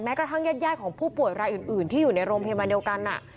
แม้กระทั่งยาดของผู้ป่วยรายอื่นที่อยู่ในโรงเพมอเดียวกันน่ะ